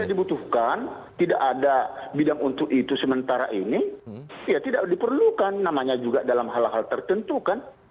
kalau dibutuhkan tidak ada bidang untuk itu sementara ini ya tidak diperlukan namanya juga dalam hal hal tertentu kan